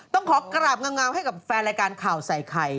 ต้องขอกราบเงาให้กับแฟนรายการข่าวใส่ไข่